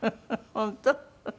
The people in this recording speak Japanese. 本当？